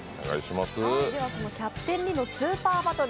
「キャプテン・リノ：スーパーバトル」